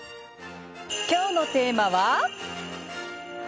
今日のテーマは？